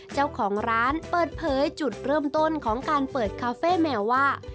เจ้าของร้านเปิดเผยจุดเริ่มต้นของการเปิดคาเฟ่แมวว่า